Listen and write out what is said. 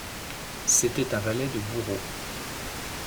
C’était un valet de bourreau.